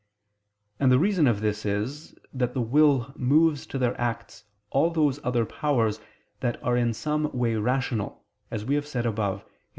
And the reason of this is, that the will moves to their acts all those other powers that are in some way rational, as we have said above (Q.